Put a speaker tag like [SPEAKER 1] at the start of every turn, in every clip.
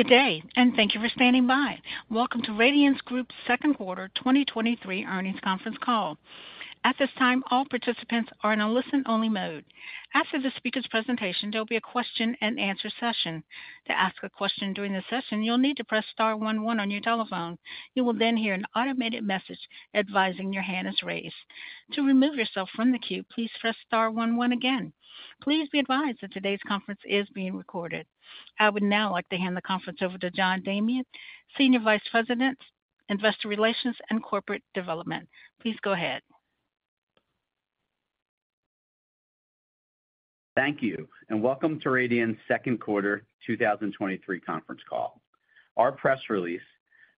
[SPEAKER 1] Good day, and thank you for standing by. Welcome to Radian Group's second quarter 2023 earnings conference call. At this time, all participants are in a listen-only mode. After the speaker's presentation, there'll be a question-and-answer session. To ask a question during the session, you'll need to press star one one on your telephone. You will then hear an automated message advising your hand is raised. To remove yourself from the queue, please press star one one again. Please be advised that today's conference is being recorded. I would now like to hand the conference over to John Damian, Senior Vice President, Investor Relations and Corporate Development. Please go ahead.
[SPEAKER 2] Thank you, and welcome to Radian's second quarter 2023 conference call. Our press release,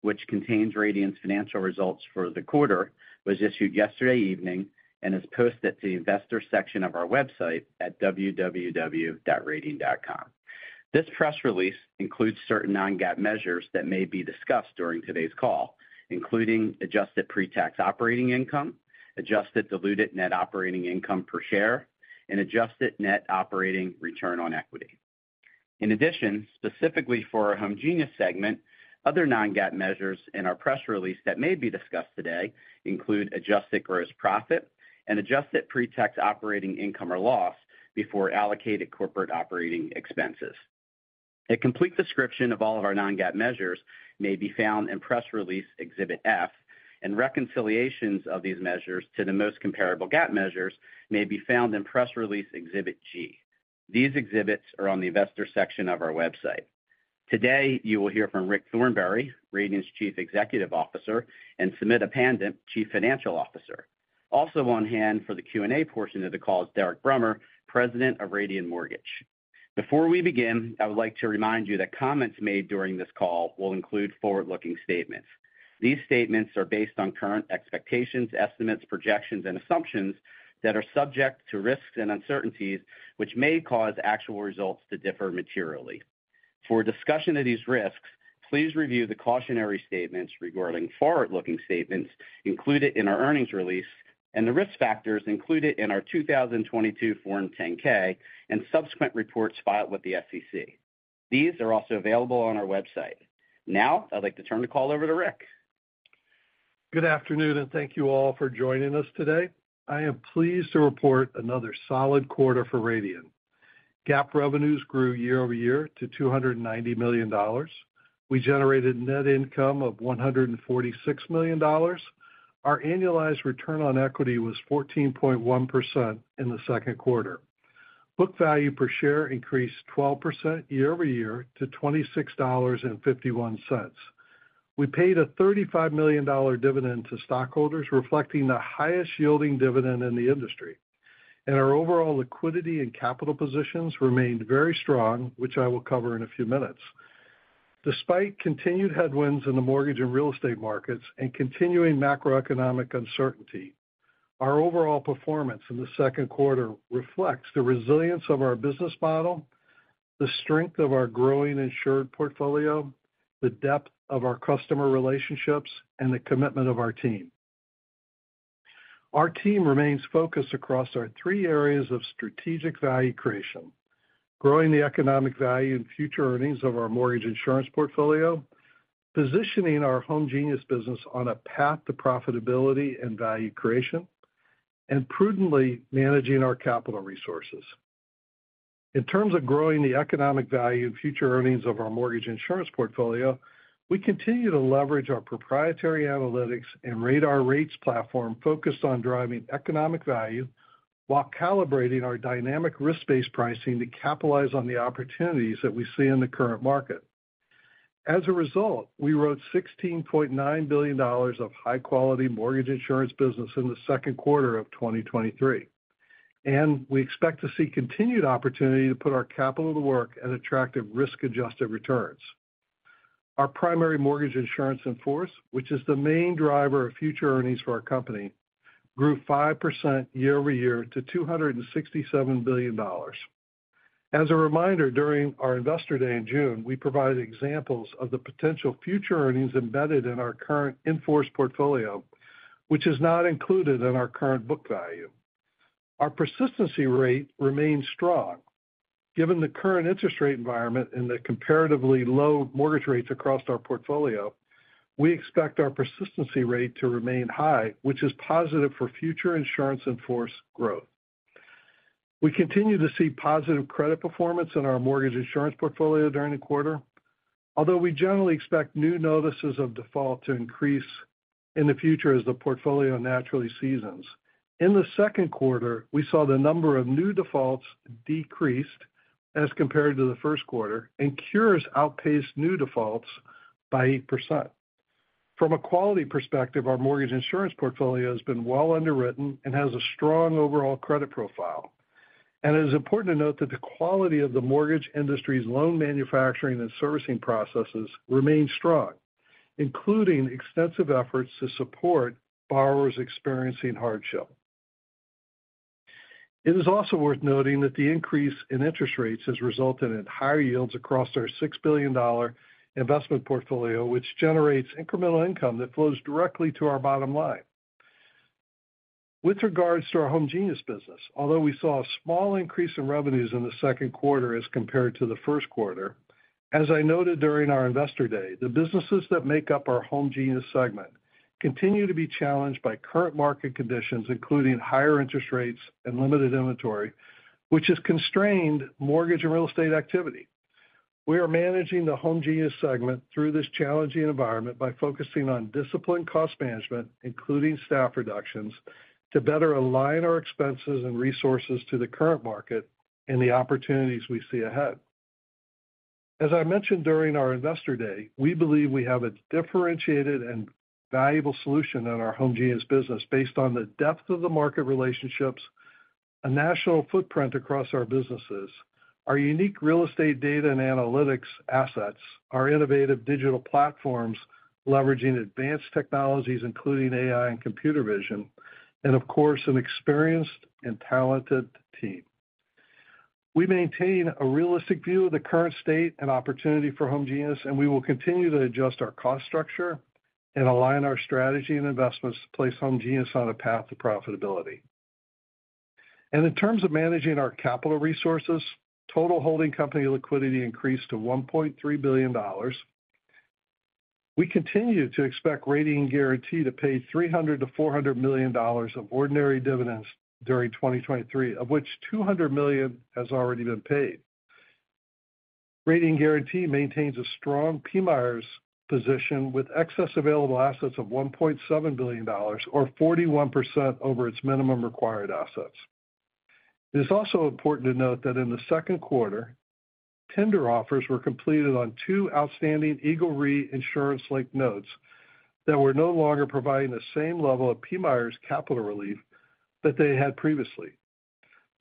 [SPEAKER 2] which contains Radian's financial results for the quarter, was issued yesterday evening and is posted at the Investor section of our website at www.radian.com. This press release includes certain non-GAAP measures that may be discussed during today's call, including adjusted pretax operating income, adjusted diluted net operating income per share, and adjusted net operating return on equity. In addition, specifically for our homegenius segment, other non-GAAP measures in our press release that may be discussed today include adjusted gross profit and adjusted pretax operating income or loss before allocated corporate operating expenses. A complete description of all of our non-GAAP measures may be found in press release Exhibit F, and reconciliations of these measures to the most comparable GAAP measures may be found in press release Exhibit G. These exhibits are on the Investor section of our website. Today, you will hear from Rick Thornberry, Radian's Chief Executive Officer, and Sumita Pandit, Chief Financial Officer. Also on hand for the Q&A portion of the call is Derek Brummer, President of Radian Mortgage. Before we begin, I would like to remind you that comments made during this call will include forward-looking statements. These statements are based on current expectations, estimates, projections, and assumptions that are subject to risks and uncertainties, which may cause actual results to differ materially. For a discussion of these risks, please review the cautionary statements regarding forward-looking statements included in our earnings release and the risk factors included in our 2022 Form 10-K and subsequent reports filed with the SEC. These are also available on our website. Now, I'd like to turn the call over to Rick.
[SPEAKER 3] Good afternoon, thank you all for joining us today. I am pleased to report another solid quarter for Radian. GAAP revenues grew year-over-year to $290 million. We generated net income of $146 million. Our annualized return on equity was 14.1% in the second quarter. Book value per share increased 12% year-over-year to $26.51. We paid a $35 million dividend to stockholders, reflecting the highest-yielding dividend in the industry, our overall liquidity and capital positions remained very strong, which I will cover in a few minutes. Despite continued headwinds in the mortgage and real estate markets and continuing macroeconomic uncertainty, our overall performance in the second quarter reflects the resilience of our business model, the strength of our growing insured portfolio, the depth of our customer relationships, and the commitment of our team. Our team remains focused across our three areas of strategic value creation: growing the economic value and future earnings of our mortgage insurance portfolio, positioning our homegenius business on a path to profitability and value creation, and prudently managing our capital resources. In terms of growing the economic value and future earnings of our mortgage insurance portfolio, we continue to leverage our proprietary analytics and RADAR Rates platform focused on driving economic value while calibrating our dynamic risk-based pricing to capitalize on the opportunities that we see in the current market. As a result, we wrote $16.9 billion of high-quality mortgage insurance business in the second quarter of 2023, and we expect to see continued opportunity to put our capital to work at attractive risk-adjusted returns. Our primary mortgage insurance in force, which is the main driver of future earnings for our company, grew 5% year-over-year to $267 billion. As a reminder, during our Investor Day in June, we provided examples of the potential future earnings embedded in our current in-force portfolio, which is not included in our current book value. Our persistency rate remains strong. Given the current interest rate environment and the comparatively low mortgage rates across our portfolio, we expect our persistency rate to remain high, which is positive for future insurance in force growth. We continue to see positive credit performance in our mortgage insurance portfolio during the quarter, although we generally expect new notices of default to increase in the future as the portfolio naturally seasons. In the second quarter, we saw the number of new defaults decreased as compared to the first quarter, and cures outpaced new defaults by 8%. From a quality perspective, our mortgage insurance portfolio has been well underwritten and has a strong overall credit profile. It is important to note that the quality of the mortgage industry's loan manufacturing and servicing processes remains strong, including extensive efforts to support borrowers experiencing hardship. It is also worth noting that the increase in interest rates has resulted in higher yields across our $6 billion investment portfolio, which generates incremental income that flows directly to our bottom line.... With regards to our homegenius business, although we saw a small increase in revenues in the second quarter as compared to the first quarter, as I noted during our Investor Day, the businesses that make up our homegenius segment continue to be challenged by current market conditions, including higher interest rates and limited inventory, which has constrained mortgage and real estate activity. We are managing the homegenius segment through this challenging environment by focusing on disciplined cost management, including staff reductions, to better align our expenses and resources to the current market and the opportunities we see ahead. As I mentioned during our Investor Day, we believe we have a differentiated and valuable solution in our homegenius business based on the depth of the market relationships, a national footprint across our businesses, our unique real estate data and analytics assets, our innovative digital platforms leveraging advanced technologies, including AI and computer vision, and of course, an experienced and talented team. We maintain a realistic view of the current state and opportunity for homegenius, and we will continue to adjust our cost structure and align our strategy and investments to place homegenius on a path to profitability. In terms of managing our capital resources, total holding company liquidity increased to $1.3 billion. We continue to expect Radian Guaranty to pay $300 million-$400 million of ordinary dividends during 2023, of which $200 million has already been paid. Radian Guaranty maintains a strong PMIERs position with excess available assets of $1.7 billion or 41% over its minimum required assets. It is also important to note that in the second quarter, tender offers were completed on two outstanding Eagle Re insurance-linked notes that were no longer providing the same level of PMIERs capital relief that they had previously.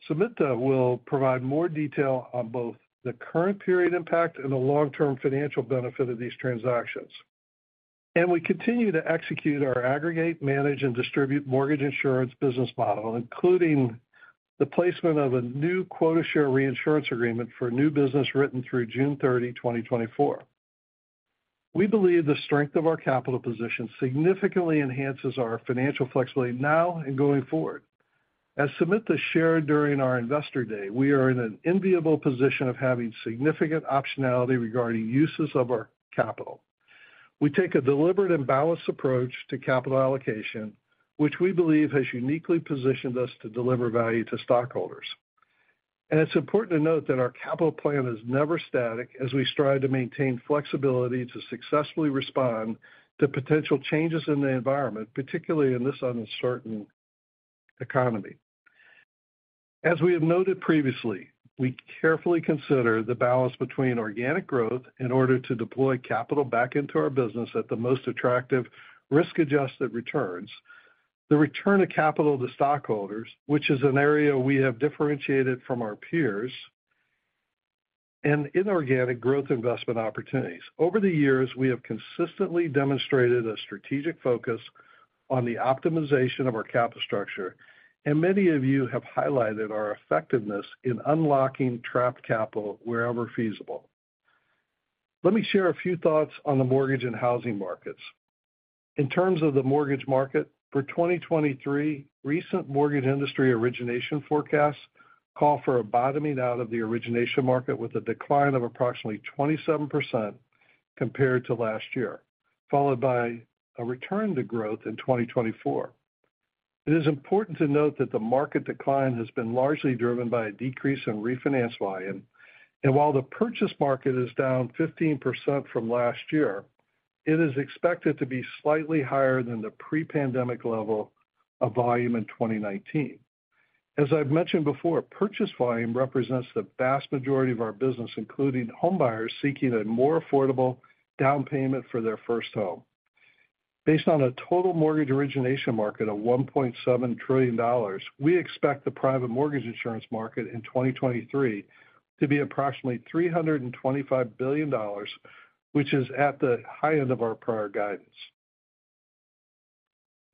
[SPEAKER 3] Sumita will provide more detail on both the current period impact and the long-term financial benefit of these transactions. We continue to execute our aggregate, manage, and distribute mortgage insurance business model, including the placement of a new quota share reinsurance agreement for new business written through June 30, 2024. We believe the strength of our capital position significantly enhances our financial flexibility now and going forward. As Sumita shared during our Investor Day, we are in an enviable position of having significant optionality regarding uses of our capital. We take a deliberate and balanced approach to capital allocation, which we believe has uniquely positioned us to deliver value to stockholders. It's important to note that our capital plan is never static, as we strive to maintain flexibility to successfully respond to potential changes in the environment, particularly in this uncertain economy. As we have noted previously, we carefully consider the balance between organic growth in order to deploy capital back into our business at the most attractive risk-adjusted returns, the return of capital to stockholders, which is an area we have differentiated from our peers, and inorganic growth investment opportunities. Over the years, we have consistently demonstrated a strategic focus on the optimization of our capital structure, and many of you have highlighted our effectiveness in unlocking trapped capital wherever feasible. Let me share a few thoughts on the mortgage and housing markets. In terms of the mortgage market, for 2023, recent mortgage industry origination forecasts call for a bottoming out of the origination market with a decline of approximately 27% compared to last year, followed by a return to growth in 2024. It is important to note that the market decline has been largely driven by a decrease in refinance volume, and while the purchase market is down 15% from last year, it is expected to be slightly higher than the pre-pandemic level of volume in 2019. As I've mentioned before, purchase volume represents the vast majority of our business, including homebuyers seeking a more affordable down payment for their first home. Based on a total mortgage origination market of $1.7 trillion, we expect the private mortgage insurance market in 2023 to be approximately $325 billion, which is at the high end of our prior guidance.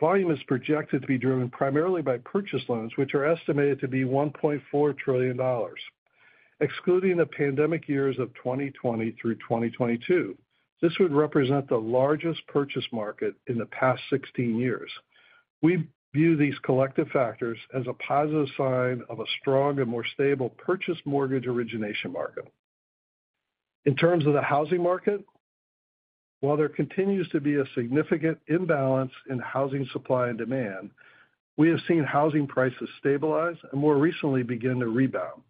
[SPEAKER 3] Volume is projected to be driven primarily by purchase loans, which are estimated to be $1.4 trillion. Excluding the pandemic years of 2020 through 2022, this would represent the largest purchase market in the past 16 years. We view these collective factors as a positive sign of a strong and more stable purchase mortgage origination market. In terms of the housing market, while there continues to be a significant imbalance in housing supply and demand, we have seen housing prices stabilize and more recently begin to rebound.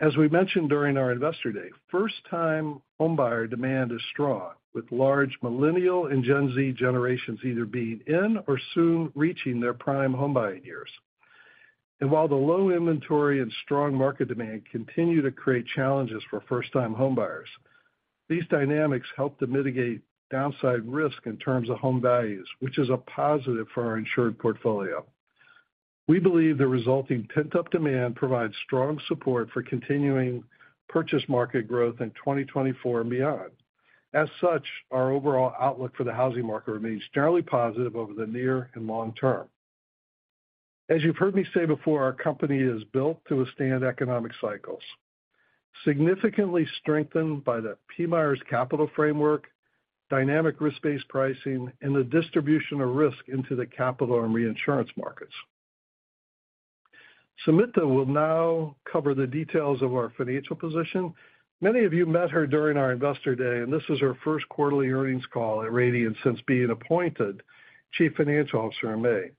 [SPEAKER 3] As we mentioned during our Investor Day, first-time homebuyer demand is strong, with large Millennial and Gen Z generations either being in or soon reaching their prime homebuying years. While the low inventory and strong market demand continue to create challenges for first-time homebuyers, these dynamics help to mitigate downside risk in terms of home values, which is a positive for our insured portfolio. We believe the resulting pent-up demand provides strong support for continuing purchase market growth in 2024 and beyond. As such, our overall outlook for the housing market remains generally positive over the near and long term. As you've heard me say before, our company is built to withstand economic cycles.... significantly strengthened by the PMIERs capital framework, dynamic risk-based pricing, and the distribution of risk into the capital and reinsurance markets. Sumita will now cover the details of our financial position. Many of you met her during our Investor Day, this is her first quarterly earnings call at Radian since being appointed Chief Financial Officer in May.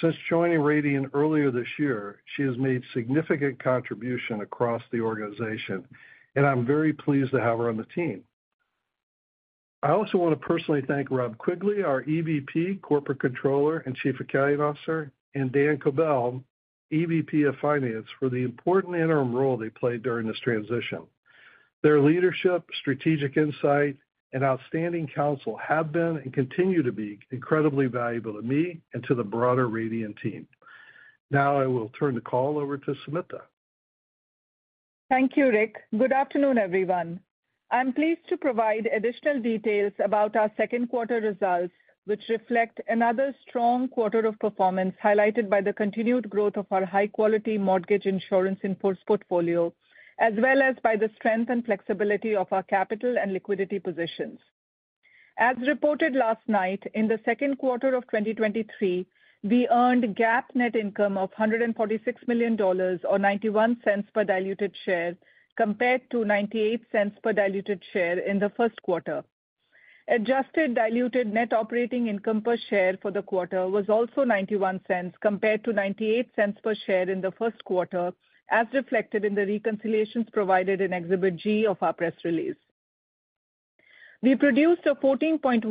[SPEAKER 3] Since joining Radian earlier this year, she has made significant contribution across the organization, and I'm very pleased to have her on the team. I also want to personally thank Rob Quigley, our EVP, Corporate Controller, and Chief Accounting Officer, and Dan Kobell, EVP of Finance, for the important interim role they played during this transition. Their leadership, strategic insight, and outstanding counsel have been and continue to be incredibly valuable to me and to the broader Radian team. Now I will turn the call over to Sumita.
[SPEAKER 4] Thank you, Rick. Good afternoon, everyone. I'm pleased to provide additional details about our second quarter results, which reflect another strong quarter of performance, highlighted by the continued growth of our high-quality mortgage insurance in force portfolio, as well as by the strength and flexibility of our capital and liquidity positions. As reported last night, in the second quarter of 2023, we earned GAAP net income of $146 million, or $0.91 per diluted share, compared to $0.98 per diluted share in the first quarter. Adjusted diluted net operating income per share for the quarter was also $0.91, compared to $0.98 per share in the first quarter, as reflected in the reconciliations provided in Exhibit G of our press release. We produced a 14.1%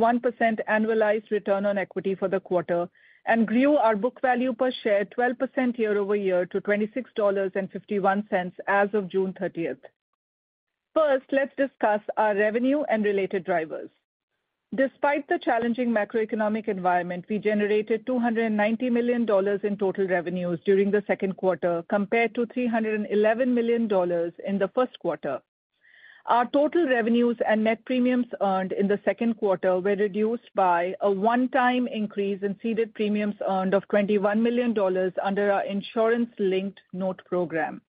[SPEAKER 4] annualized return on equity for the quarter and grew our book value per share 12% year-over-year to $26.51 as of June 30th. First, let's discuss our revenue and related drivers. Despite the challenging macroeconomic environment, we generated $290 million in total revenues during the second quarter, compared to $311 million in the first quarter. Our total revenues and net premiums earned in the second quarter were reduced by a one-time increase in ceded premiums earned of $21 million under our insurance-linked note program.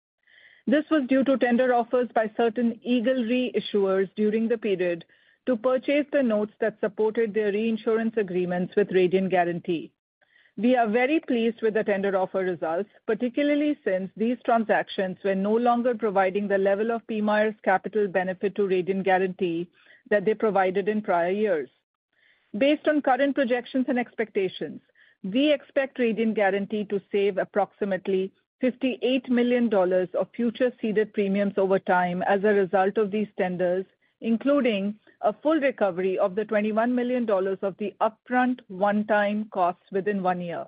[SPEAKER 4] This was due to tender offers by certain Eagle Re issuers during the period to purchase the notes that supported their reinsurance agreements with Radian Guaranty. We are very pleased with the tender offer results, particularly since these transactions were no longer providing the level of PMIERs capital benefit to Radian Guaranty that they provided in prior years. Based on current projections and expectations, we expect Radian Guaranty to save approximately $58 million of future ceded premiums over time as a result of these tenders, including a full recovery of the $21 million of the upfront one-time costs within one year.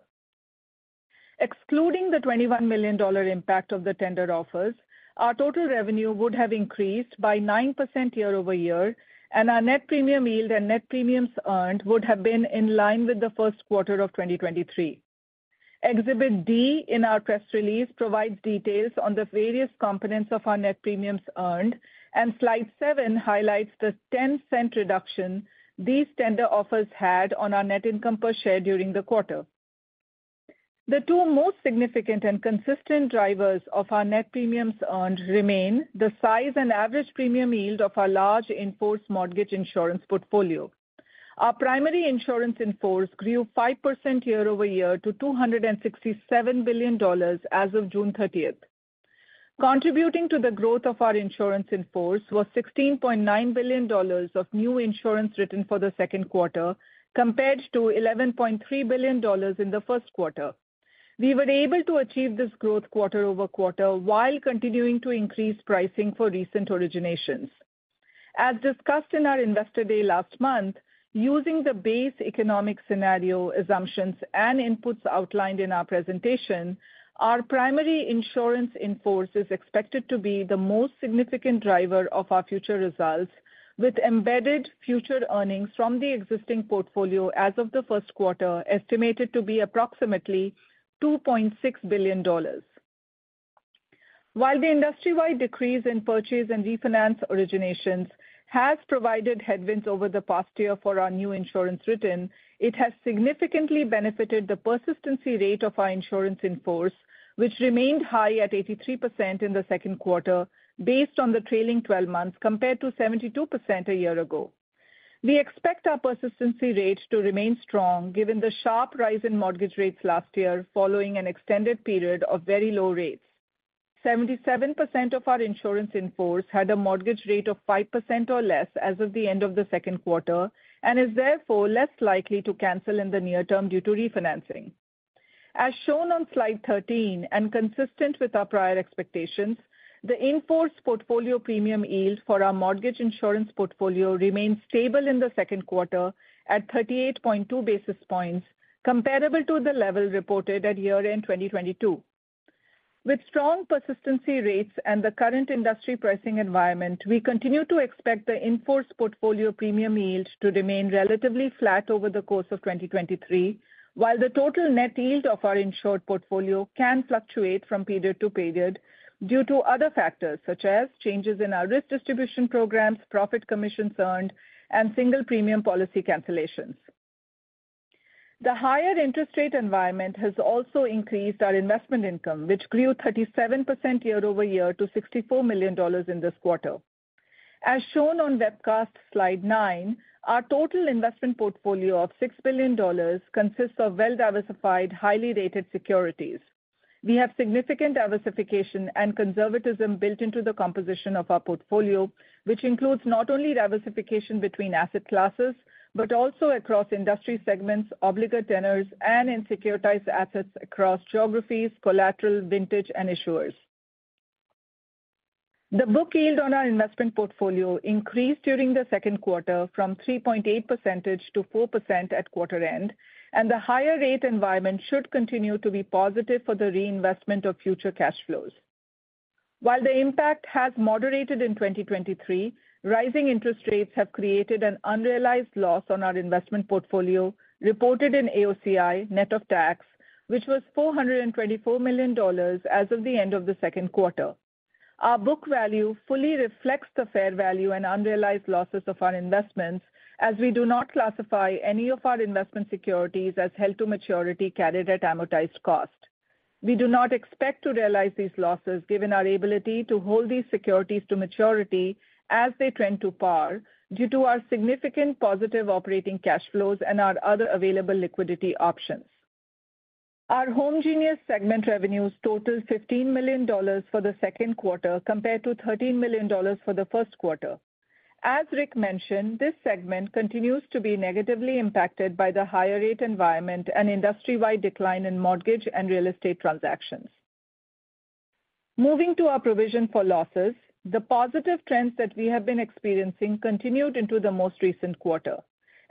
[SPEAKER 4] Excluding the $21 million impact of the tender offers, our total revenue would have increased by 9% year-over-year, and our net premium yield and net premiums earned would have been in line with the first quarter of 2023. Exhibit D in our press release provides details on the various components of our net premiums earned. Slide seven highlights the $0.10 reduction these tender offers had on our net income per share during the quarter. The two most significant and consistent drivers of our net premiums earned remain the size and average premium yield of our large in-force mortgage insurance portfolio. Our primary insurance in force grew 5% year-over-year to $267 billion as of June 30th. Contributing to the growth of our insurance in force was $16.9 billion of new insurance written for the second quarter, compared to $11.3 billion in the first quarter. We were able to achieve this growth quarter-over-quarter while continuing to increase pricing for recent originations. As discussed in our Investor Day last month, using the base economic scenario assumptions and inputs outlined in our presentation, our primary insurance in force is expected to be the most significant driver of our future results, with embedded future earnings from the existing portfolio as of the first quarter, estimated to be approximately $2.6 billion. While the industry-wide decrease in purchase and refinance originations has provided headwinds over the past year for our new insurance written, it has significantly benefited the persistency rate of our insurance in force, which remained high at 83% in the second quarter, based on the trailing twelve months, compared to 72% a year ago. We expect our persistency rate to remain strong, given the sharp rise in mortgage rates last year, following an extended period of very low rates. 77% of our insurance in force had a mortgage rate of 5% or less as of the end of the second quarter and is therefore less likely to cancel in the near term due to refinancing. As shown on slide 13 and consistent with our prior expectations, the in-force portfolio premium yield for our mortgage insurance portfolio remained stable in the second quarter at 38.2 basis points, comparable to the level reported at year-end 2022. With strong persistency rates and the current industry pricing environment, we continue to expect the in-force portfolio premium yield to remain relatively flat over the course of 2023, while the total net yield of our insured portfolio can fluctuate from period to period due to other factors, such as changes in our risk distribution programs, profit commissions earned, and single premium policy cancellations. The higher interest rate environment has also increased our investment income, which grew 37% year-over-year to $64 million in this quarter. As shown on webcast slide nine, our total investment portfolio of $6 billion consists of well-diversified, highly rated securities. We have significant diversification and conservatism built into the composition of our portfolio, which includes not only diversification between asset classes, but also across industry segments, obligor tenors, and in securitized assets across geographies, collateral, vintage, and issuers. The book yield on our investment portfolio increased during the second quarter from 3.8% to 4% at quarter end, and the higher rate environment should continue to be positive for the reinvestment of future cash flows. While the impact has moderated in 2023, rising interest rates have created an unrealized loss on our investment portfolio, reported in AOCI, net of tax, which was $424 million as of the end of the second quarter. Our book value fully reflects the fair value and unrealized losses of our investments, as we do not classify any of our investment securities as held to maturity carried at amortized cost. We do not expect to realize these losses, given our ability to hold these securities to maturity as they trend to par, due to our significant positive operating cash flows and our other available liquidity options. Our homegenius segment revenues totaled $15 million for the second quarter, compared to $13 million for the first quarter. As Rick mentioned, this segment continues to be negatively impacted by the higher rate environment and industry-wide decline in mortgage and real estate transactions. Moving to our provision for losses, the positive trends that we have been experiencing continued into the most recent quarter.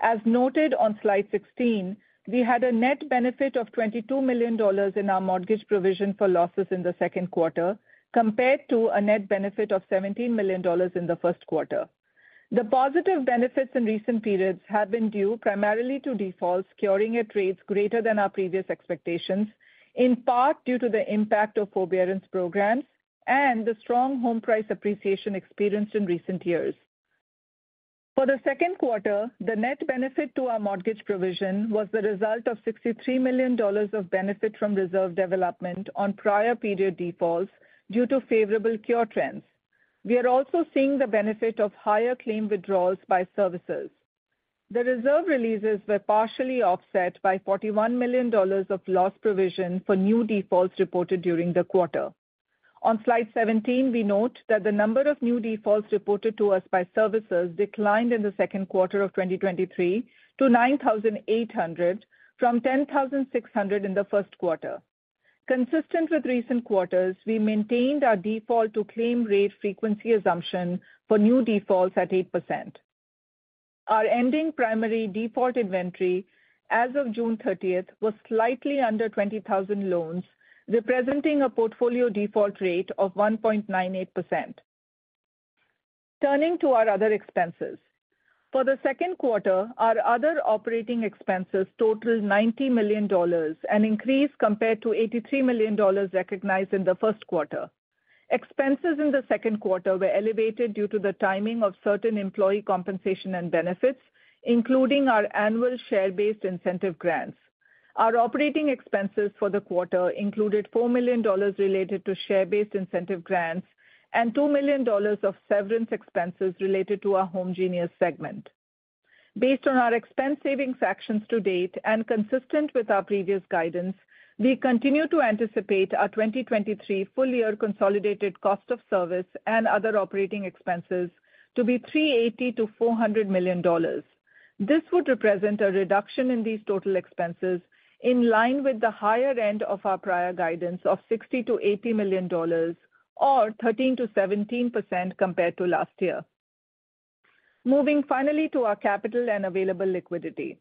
[SPEAKER 4] As noted on slide 16, we had a net benefit of $22 million in our mortgage provision for losses in the second quarter, compared to a net benefit of $17 million in the first quarter. The positive benefits in recent periods have been due primarily to defaults curing at rates greater than our previous expectations, in part due to the impact of forbearance programs and the strong home price appreciation experienced in recent years. For the second quarter, the net benefit to our mortgage provision was the result of $63 million of benefit from reserve development on prior period defaults due to favorable cure trends. We are also seeing the benefit of higher claim withdrawals by servicers. The reserve releases were partially offset by $41 million of loss provision for new defaults reported during the quarter. On slide 17, we note that the number of new defaults reported to us by servicers declined in the second quarter of 2023 to 9,800 from 10,600 in the first quarter. Consistent with recent quarters, we maintained our default to claim rate frequency assumption for new defaults at 8%. Our ending primary default inventory as of June 30 was slightly under 20,000 loans, representing a portfolio default rate of 1.98%. Turning to our other expenses. For the second quarter, our other operating expenses totaled $90 million, an increase compared to $83 million recognized in the first quarter. Expenses in the second quarter were elevated due to the timing of certain employee compensation and benefits, including our annual share-based incentive grants. Our operating expenses for the quarter included $4 million related to share-based incentive grants and $2 million of severance expenses related to our homegenius segment. Based on our expense savings actions to date and consistent with our previous guidance, we continue to anticipate our 2023 full-year consolidated cost of service and other operating expenses to be $380 million-$400 million. This would represent a reduction in these total expenses in line with the higher end of our prior guidance of $60 million-$80 million or 13%-17% compared to last year. Moving finally to our capital and available liquidity.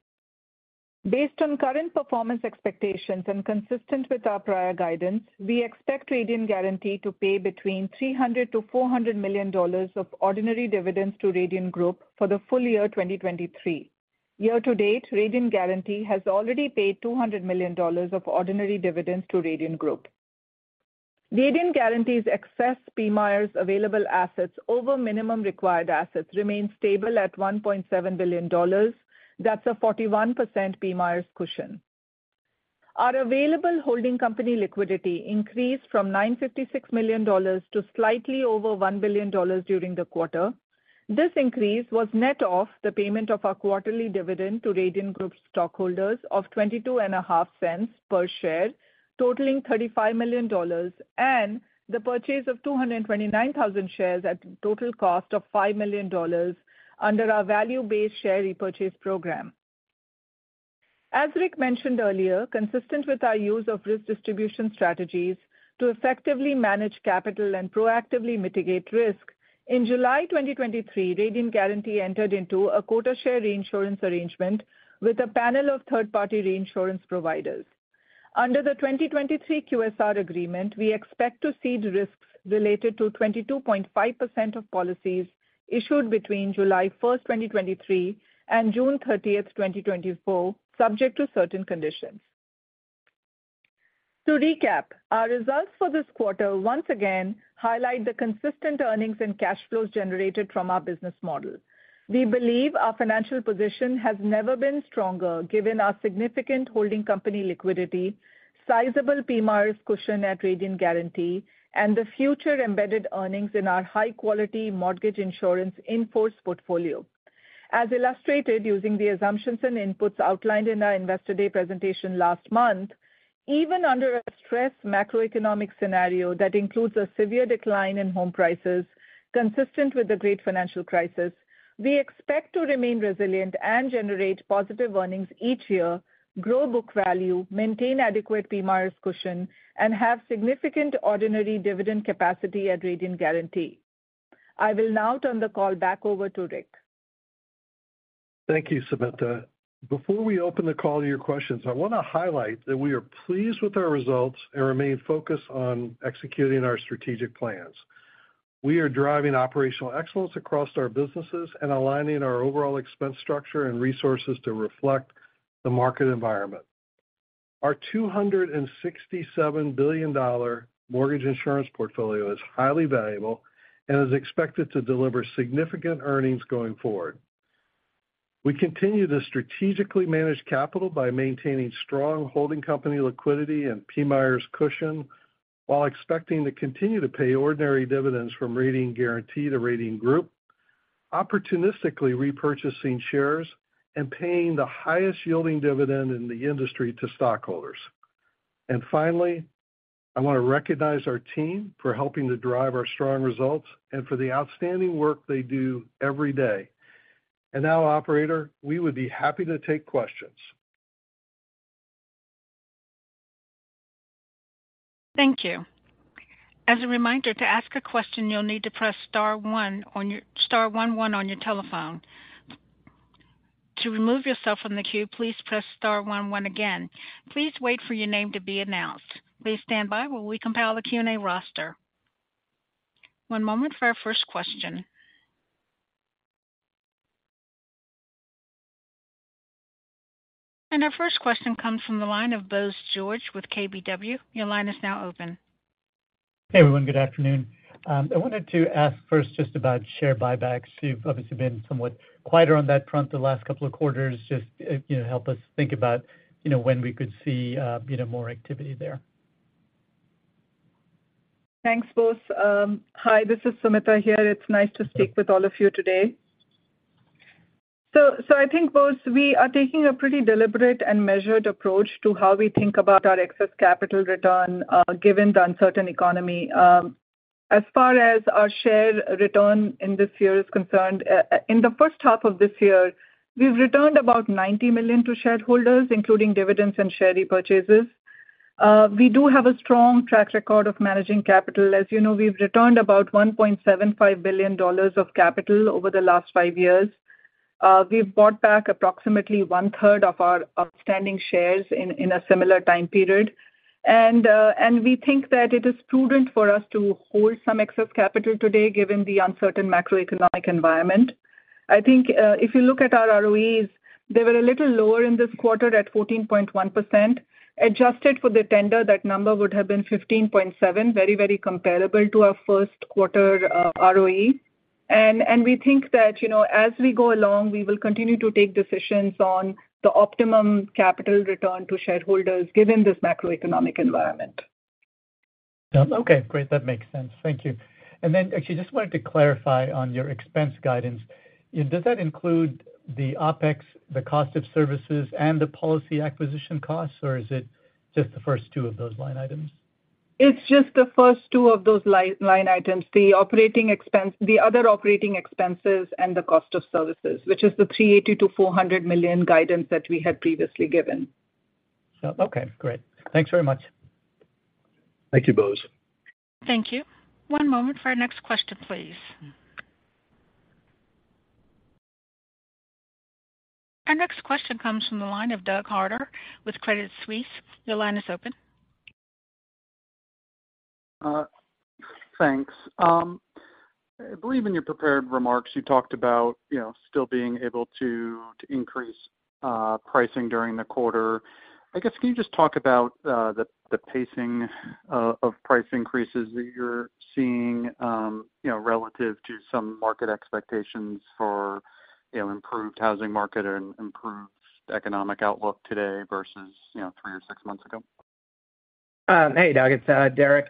[SPEAKER 4] Based on current performance expectations and consistent with our prior guidance, we expect Radian Guaranty to pay between $300 million-$400 million of ordinary dividends to Radian Group for the full-year 2023. Year to date, Radian Guaranty has already paid $200 million of ordinary dividends to Radian Group. Radian Guaranty's excess PMIERs available assets over minimum required assets remain stable at $1.7 billion. That's a 41% PMIERs cushion. Our available holding company liquidity increased from $956 million to slightly over $1 billion during the quarter. This increase was net of the payment of our quarterly dividend to Radian Group stockholders of $0.225 per share, totaling $35 million, and the purchase of 229,000 shares at a total cost of $5 million under our value-based share repurchase program. As Rick mentioned earlier, consistent with our use of risk distribution strategies to effectively manage capital and proactively mitigate risk, in July 2023, Radian Guaranty entered into a quota share reinsurance arrangement with a panel of third-party reinsurance providers. Under the 2023 QSR agreement, we expect to cede risks related to 22.5% of policies issued between July 1, 2023, and June 30, 2024, subject to certain conditions.... To recap, our results for this quarter once again highlight the consistent earnings and cash flows generated from our business model. We believe our financial position has never been stronger, given our significant holding company liquidity, sizable PMIERs cushion at Radian Guaranty, and the future embedded earnings in our high-quality mortgage insurance-in-force portfolio. As illustrated, using the assumptions and inputs outlined in our Investor Day presentation last month, even under a stressed macroeconomic scenario that includes a severe decline in home prices consistent with the great financial crisis, we expect to remain resilient and generate positive earnings each year, grow book value, maintain adequate PMIERs cushion, and have significant ordinary dividend capacity at Radian Guaranty. I will now turn the call back over to Rick.
[SPEAKER 3] Thank you, Sumita. Before we open the call to your questions, I want to highlight that we are pleased with our results and remain focused on executing our strategic plans. We are driving operational excellence across our businesses and aligning our overall expense structure and resources to reflect the market environment. Our $267 billion mortgage insurance portfolio is highly valuable and is expected to deliver significant earnings going forward. We continue to strategically manage capital by maintaining strong holding company liquidity and PMIERs cushion, while expecting to continue to pay ordinary dividends from Radian Guaranty to Radian Group, opportunistically repurchasing shares and paying the highest yielding dividend in the industry to stockholders. Finally, I want to recognize Radian team for helping to drive our strong results and for the outstanding work they do every day. Now, operator, we would be happy to take questions.
[SPEAKER 1] Thank you. As a reminder, to ask a question, you'll need to press star one one on your telephone. To remove yourself from the queue, please press star one one again. Please wait for your name to be announced. Please stand by while we compile the Q&A roster. One moment for our first question. Our first question comes from the line of Bose George with KBW. Your line is now open.
[SPEAKER 5] Hey, everyone. Good afternoon. I wanted to ask first just about share buybacks. You've obviously been somewhat quieter on that front the last couple of quarters. Just, you know, help us think about, you know, when we could see, you know, more activity there.
[SPEAKER 4] Thanks, Bose. Hi, this is Sumita here. It's nice to speak with all of you today. So I think, Bose, we are taking a pretty deliberate and measured approach to how we think about our excess capital return, given the uncertain economy. As far as our share return in this year is concerned, in the first half of this year, we've returned about $90 million to stockholders, including dividends and share repurchases. We do have a strong track record of managing capital. As you know, we've returned about $1.75 billion of capital over the last five years. We've bought back approximately 1/3 of our outstanding shares in a similar time period. We think that it is prudent for us to hold some excess capital today, given the uncertain macroeconomic environment. I think, if you look at our ROEs, they were a little lower in this quarter at 14.1%. Adjusted for the tender, that number would have been 15.7%, very, very comparable to our first quarter ROE. We think that, you know, as we go along, we will continue to take decisions on the optimum capital return to stockholders, given this macroeconomic uncertainty.
[SPEAKER 5] Okay, great. That makes sense. Thank you. Then actually, just wanted to clarify on your expense guidance. Does that include the OpEx, the cost of services and the policy acquisition costs, or is it just the first two of those line items?
[SPEAKER 4] It's just the first two of those line items, the other operating expenses and the cost of services, which is the $380 million-$400 million guidance that we had previously given.
[SPEAKER 5] Okay, great. Thanks very much.
[SPEAKER 3] Thank you, Bose.
[SPEAKER 1] Thank you. One moment for our next question, please. Our next question comes from the line of Doug Harter with Credit Suisse. Your line is open.
[SPEAKER 6] Thanks. I believe in your prepared remarks, you talked about, you know, still being able to, to increase pricing during the quarter. I guess, can you just talk about the, the pacing of price increases that you're seeing, you know, relative to some market expectations for, you know, improved housing market and improved economic outlook today versus, you know, three or six months ago?
[SPEAKER 7] Hey, Doug, it's Derek.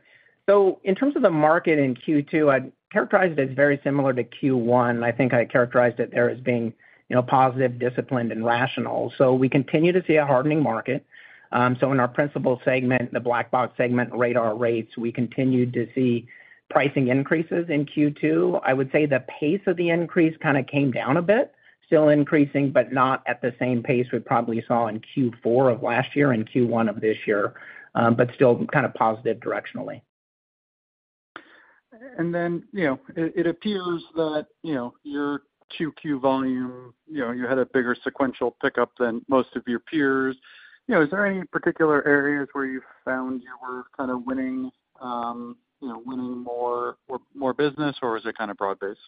[SPEAKER 7] In terms of the market in Q2, I'd characterize it as very similar to Q1. I think I characterized it there as being, you know, positive, disciplined and rational. We continue to see a hardening market. In our principal segment, the black box segment RADAR Rates, we continued to see pricing increases in Q2. I would say the pace of the increase kind of came down a bit, still increasing, but not at the same pace we probably saw in Q4 of last year and Q1 of this year, but still kind of positive directionally.
[SPEAKER 6] Then, you know, it, it appears that, you know, your Q2 volume, you know, you had a bigger sequential pickup than most of your peers. You know, is there any particular areas where you found you were kind of winning, you know, winning more, more business, or was it kind of broad-based?...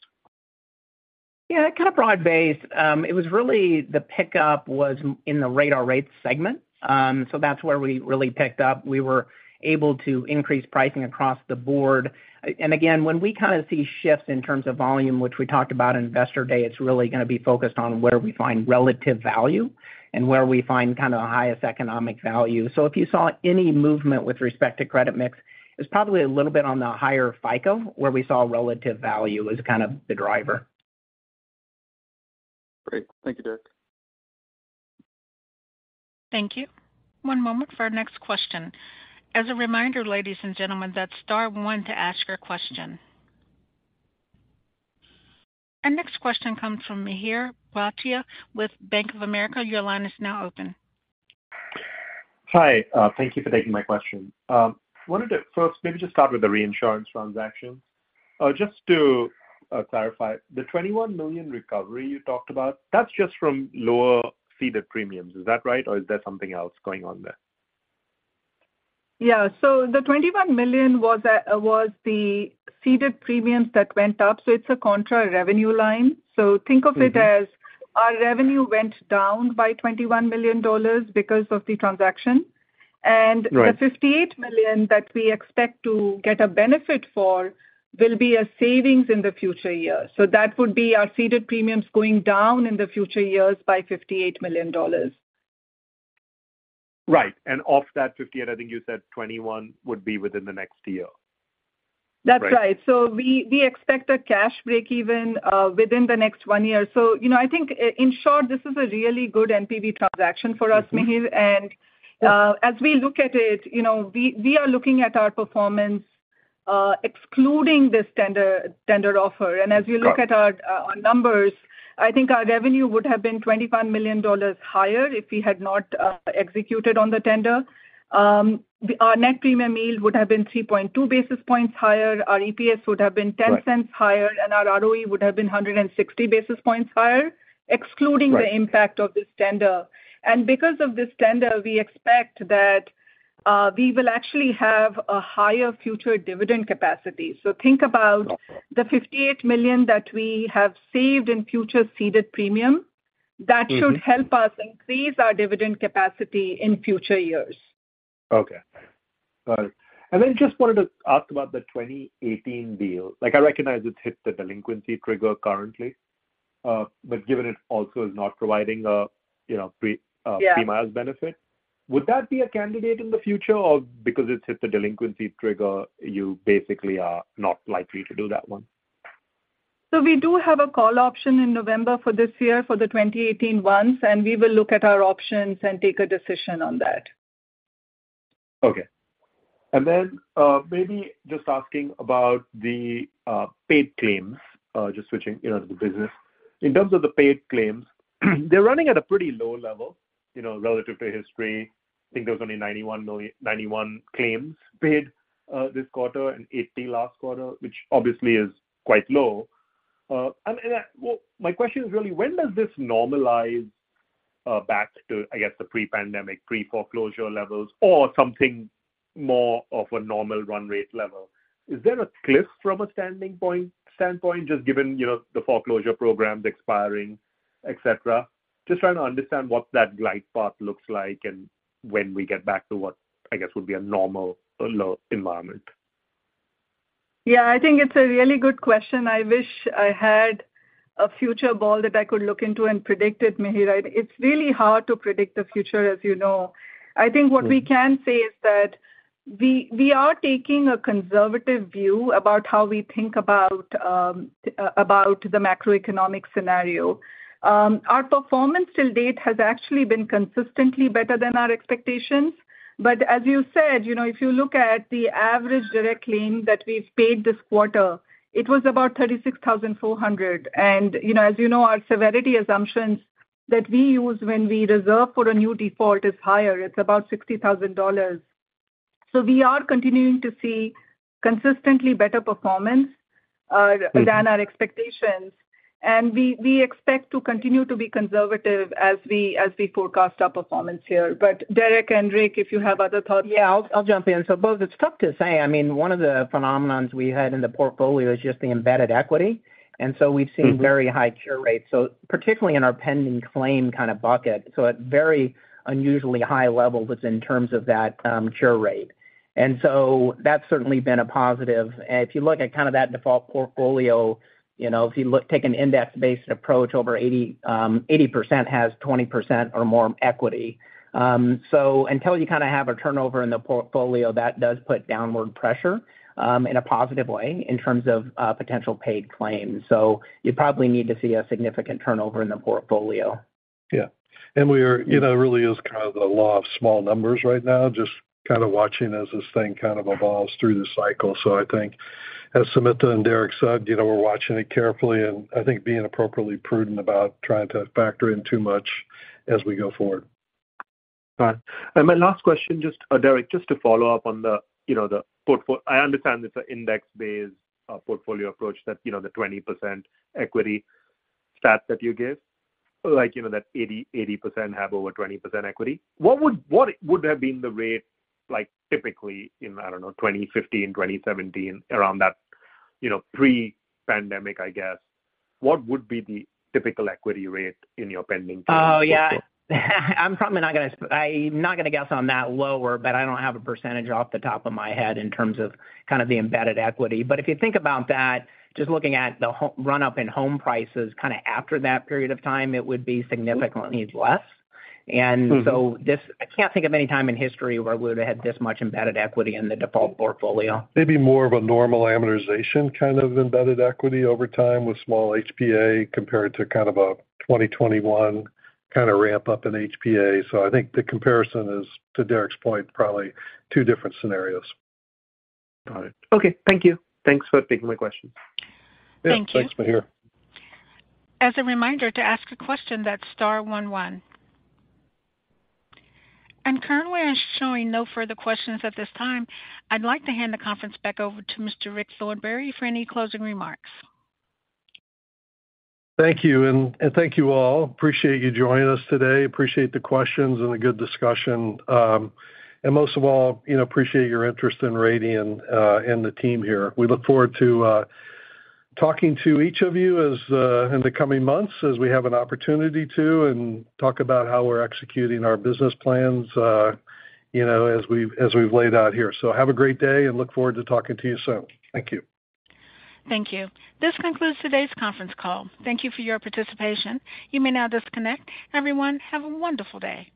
[SPEAKER 7] Yeah, kind of broad-based. It was really the pickup was in the RADAR Rates segment. That's where we really picked up. We were able to increase pricing across the board. Again, when we kind of see shifts in terms of volume, which we talked about in Investor Day, it's really going to be focused on where we find relative value and where we find kind of the highest economic value. If you saw any movement with respect to credit mix, it's probably a little bit on the higher FICO, where we saw relative value as kind of the driver.
[SPEAKER 3] Great. Thank you, Derek.
[SPEAKER 1] Thank you. One moment for our next question. As a reminder, ladies and gentlemen, that's star one to ask your question. Our next question comes from Mihir Bhatia with Bank of America. Your line is now open.
[SPEAKER 8] Hi, thank you for taking my question. Wanted to first maybe just start with the reinsurance transaction. Just to clarify, the $21 million recovery you talked about, that's just from lower ceded premiums. Is that right? Or is there something else going on there?
[SPEAKER 4] Yeah, the $21 million was the ceded premiums that went up. It's a contra revenue line. Think of it.
[SPEAKER 8] Mm-hmm
[SPEAKER 4] as our revenue went down by $21 million because of the transaction.
[SPEAKER 8] Right.
[SPEAKER 4] The $58 million that we expect to get a benefit for will be a savings in the future years. That would be our ceded premiums going down in the future years by $58 million.
[SPEAKER 8] Right. of that $58 million, I think you said $21 million would be within the next year.
[SPEAKER 4] That's right.
[SPEAKER 8] Right.
[SPEAKER 4] We expect a cash break even within the next one year. You know, I think in short, this is a really good NPV transaction for us, Mihir.
[SPEAKER 8] Mm-hmm.
[SPEAKER 4] As we look at it, you know, we, we are looking at our performance, excluding this tender, tender offer.
[SPEAKER 8] Got it.
[SPEAKER 4] As we look at our numbers, I think our revenue would have been $25 million higher if we had not executed on the tender. Our net premium yield would have been 3.2 basis points higher, our EPS would have been $0.10 higher.
[SPEAKER 8] Right.
[SPEAKER 4] Our ROE would have been 160 basis points higher, excluding the impact-
[SPEAKER 8] Right...
[SPEAKER 4] of this tender. Because of this tender, we expect that, we will actually have a higher future dividend capacity. Think about-
[SPEAKER 8] Okay...
[SPEAKER 4] the $58 million that we have saved in future ceded premium.
[SPEAKER 8] Mm-hmm.
[SPEAKER 4] That should help us increase our dividend capacity in future years.
[SPEAKER 8] Okay, got it. Then just wanted to ask about the 2018 deal. Like, I recognize it's hit the delinquency trigger currently, but given it also is not providing a, you know.
[SPEAKER 4] Yeah...
[SPEAKER 8] PMIs benefit, would that be a candidate in the future? Or because it's hit the delinquency trigger, you basically are not likely to do that one?
[SPEAKER 4] We do have a call option in November for this year, for the 2018 ones, and we will look at our options and take a decision on that.
[SPEAKER 8] Okay. Then, maybe just asking about the paid claims, just switching, you know, to the business. In terms of the paid claims, they're running at a pretty low level, you know, relative to history. I think there was only 91 claims paid this quarter and 80 last quarter, which obviously is quite low. Well, my question is really when does this normalize back to, I guess, the pre-pandemic, pre-foreclosure levels or something more of a normal run rate level? Is there a cliff from a standpoint, just given, you know, the foreclosure programs expiring, et cetera? Just trying to understand what that glide path looks like and when we get back to what I guess would be a normal environment.
[SPEAKER 4] Yeah, I think it's a really good question. I wish I had a future ball that I could look into and predict it, Mihir. It's really hard to predict the future, as you know.
[SPEAKER 8] Mm-hmm.
[SPEAKER 4] I think what we can say is that we, we are taking a conservative view about how we think about, about the macroeconomic scenario. Our performance till date has actually been consistently better than our expectations. As you said, you know, if you look at the average direct claim that we've paid this quarter, it was about $36,400. You know, as you know, our severity assumptions that we use when we reserve for a new default is higher. It's about $60,000. We are continuing to see consistently better performance than our expectations.
[SPEAKER 8] Mm-hmm.
[SPEAKER 4] We, we expect to continue to be conservative as we, as we forecast our performance here. Derek and Rick, if you have other thoughts.
[SPEAKER 7] Yeah, I'll, I'll jump in. Both, it's tough to say. I mean, one of the phenomenons we had in the portfolio is just the embedded equity.
[SPEAKER 8] Mm-hmm.
[SPEAKER 7] We've seen very high cure rates, so particularly in our pending claim kind of bucket, so at very unusually high levels in terms of that, cure rate. That's certainly been a positive. If you look at kind of that default portfolio, you know, if you take an index-based approach, over 80%, 80% has 20% or more equity. Until you kind of have a turnover in the portfolio, that does put downward pressure, in a positive way in terms of, potential paid claims. You probably need to see a significant turnover in the portfolio.
[SPEAKER 3] Yeah. We are, you know, it really is kind of the law of small numbers right now, just kind of watching as this thing kind of evolves through the cycle. I think, as Sumita and Derek said, you know, we're watching it carefully, and I think being appropriately prudent about trying to factor in too much as we go forward.
[SPEAKER 8] Got it. My last question, just, Derek, just to follow up on the, you know, the I understand it's an index-based, portfolio approach that, you know, the 20% equity stat that you give, like, you know, that 80%, 80% have over 20% equity. What would have been the rate, like, typically in, I don't know, 2015, 2017, around that, you know, pre-pandemic, I guess? What would be the typical equity rate in your pending portfolio?
[SPEAKER 7] Oh, yeah. I'm not going to guess on that lower, I don't have a percentage off the top of my head in terms of kind of the embedded equity. If you think about that, just looking at the runup in home prices, kind of after that period of time, it would be significantly less.
[SPEAKER 8] Mm-hmm.
[SPEAKER 7] This... I can't think of any time in history where we would have had this much embedded equity in the default portfolio.
[SPEAKER 3] Maybe more of a normal amortization, kind of embedded equity over time with small HPA, compared to kind of a 2021 kind of ramp up in HPA. I think the comparison is, to Derek's point, probably two different scenarios.
[SPEAKER 8] Got it. Okay, thank you. Thanks for taking my question.
[SPEAKER 1] Thank you.
[SPEAKER 3] Yeah, thanks, Mihir.
[SPEAKER 1] As a reminder, to ask a question, that's star one, one. Currently, I'm showing no further questions at this time. I'd like to hand the conference back over to Mr. Rick Thornberry for any closing remarks.
[SPEAKER 3] Thank you, and thank you all. Appreciate you joining us today, appreciate the questions and the good discussion. Most of all, you know, appreciate your interest in Radian, and the Radian team here. We look forward to talking to each of you as in the coming months, as we have an opportunity to, and talk about how we're executing our business plans, you know, as we've, as we've laid out here. Have a great day, and look forward to talking to you soon. Thank you.
[SPEAKER 1] Thank you. This concludes today's conference call. Thank you for your participation. You may now disconnect. Everyone, have a wonderful day.